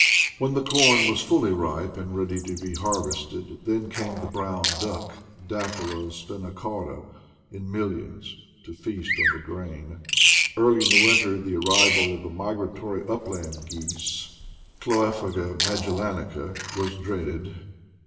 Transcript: When the corn was fully ripe and ready to be harvested then came the brown duck — Dafila spinacauda — in millions to feast on the grain. Early in winter the arrival of the migratory upland geese — Chloe phaga magellanica — was dreaded.